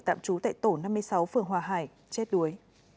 tạm trú tại tổ năm mươi sáu phường hòa hải chết đuối